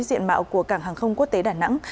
diện mạo của cảng hàng không quốc tế đà nẵng